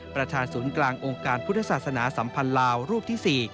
ประธานศูนย์กลางองค์การพุทธศาสนาสัมพันธ์ลาวรูปที่๔